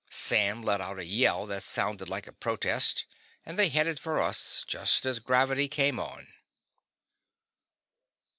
Sam let out a yell that sounded like protest, and they headed for us just as gravity came on.